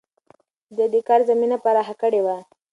ده د کار زمينه پراخه کړې وه.